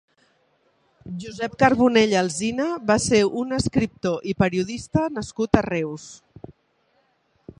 Josep Carbonell Alsina va ser un esciptor i periodista nascut a Reus.